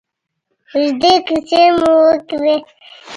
اوږدې کیسې مو وکړې.